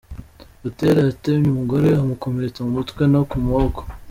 Butera yatemye umugore amukomeretsa mu mutwe no ku maboko.